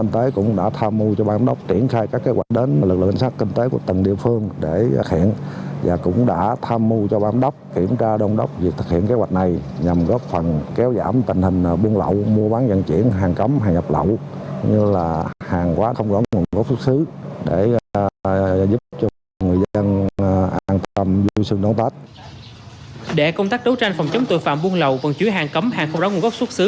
để công tác đấu tranh phòng chống tội phạm buôn lậu vận chuyển hàng cấm hàng không đóng nguồn gốc xuất xứ